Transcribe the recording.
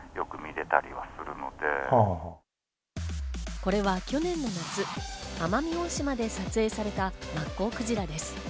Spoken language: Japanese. これは去年の夏、奄美大島で撮影されたマッコウクジラです。